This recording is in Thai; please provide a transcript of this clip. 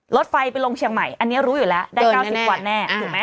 รถไฟไปลงเชียงใหม่อันนี้รู้อยู่แล้วได้๙๐วันแน่ถูกไหม